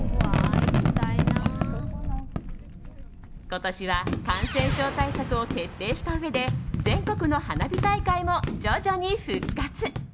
今年は感染症対策を徹底したうえで全国の花火大会も徐々に復活。